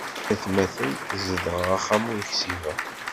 Ay atmaten zedɣeɣ axxam ur ksibeɣ.